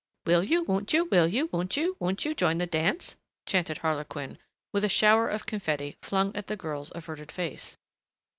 "Will you, won't you, will you, won't you, won't you join the dance?" chanted Harlequin, with a shower of confetti flung at the girl's averted face.